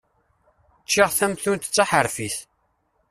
Ččiɣ tamtunt d taḥerfit.